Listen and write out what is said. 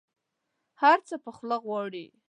هر څه په خوله غواړي.